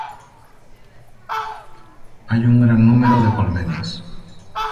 Hay un gran número de colmenas.